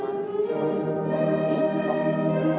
lagu kebangsaan indonesia raya